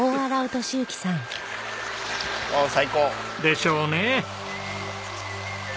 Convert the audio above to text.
おお最高！でしょうね。